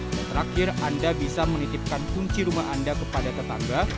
dan terakhir anda bisa menitipkan kunci rumah anda kepada tetangga